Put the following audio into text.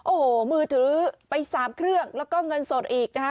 โอ้โหมือถือไป๓เครื่องแล้วก็เงินสดอีกนะคะ